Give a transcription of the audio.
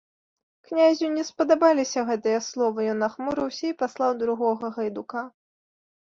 Князю не спадабаліся гэтыя словы, ён нахмурыўся і паслаў другога гайдука.